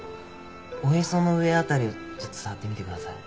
おへその上あたりをちょっと触ってみてください。